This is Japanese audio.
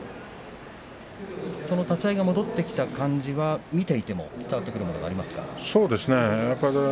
その立ち合い戻ってきた感じは見ていて伝わってくるものがありますか？